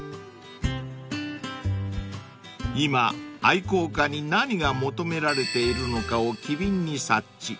［今愛好家に何が求められているのかを機敏に察知］